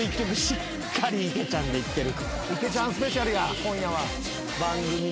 しっかり池ちゃんでいってる。